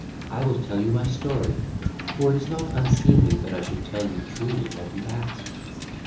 I will tell you my story; for it is not unseemly that I should tell you truly what you ask.